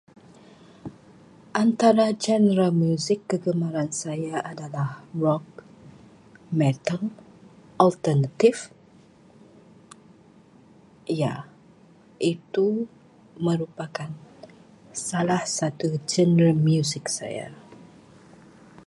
Antara genre muzik kegemaran saya adalah rock, metal alternatif. Ya, itu merupakan salah satu genre muzik saya.